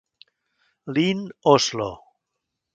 Lyn Oslo.